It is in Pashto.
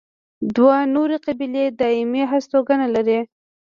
دوه نورې قبیلې دایمي هستوګنه لري.